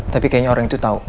tapi kayaknya orang itu tahu